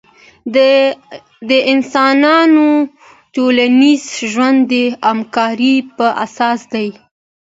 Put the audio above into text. د انسانانو ټولنیز ژوند د همکارۍ پراساس دی.